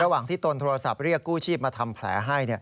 ระหว่างที่ตนโทรศัพท์เรียกกู้ชีพมาทำแผลให้